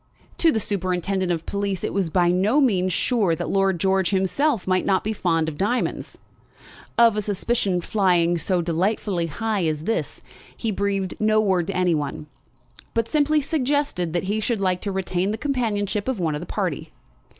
To the superintendent of police it was by no means sure that Lord George himself might not be fond of diamonds. Of a suspicion flying so delightfully high as this, he breathed no word to any one; but simply suggested that he should like to retain the companionship of one of the party.